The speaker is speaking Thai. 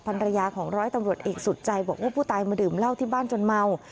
ภรรยาของร้อยตำรวจเอกสุดใจบอกว่าผู้ตายมาดื่มเหล้าที่บ้านจนเมา